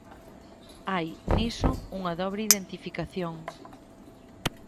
Hai, niso, unha dobre identificación.